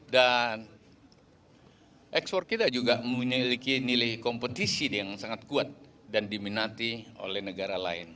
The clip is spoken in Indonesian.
dan ekspor kita juga memiliki nilai kompetisi yang sangat kuat dan diminati oleh negara lain